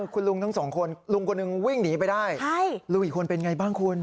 คุณลุงทั้งสองคนลุงคนหนึ่งวิ่งหนีไปได้ลุงอีกคนเป็นไงบ้างคุณ